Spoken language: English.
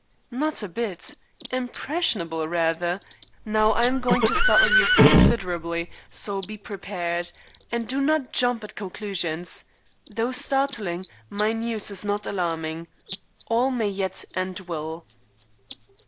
"Not a bit. Impressionable, rather. Now, I am going to startle you considerably, so be prepared. And do not jump at conclusions. Though startling, my news is not alarming. All may yet end well."